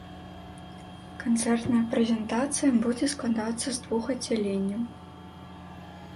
Канцэртная прэзентацыя будзе складацца з двух аддзяленняў.